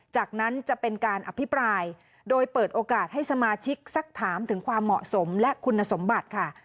จากนั้นจะเป็นการอภิปรายโดยเปิดโอกาสให้สมาชิกสักถามถึงความเหมาะสมและคุณสมบัติค่ะ